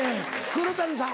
黒谷さん